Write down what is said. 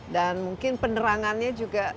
dan mungkin penerangannya juga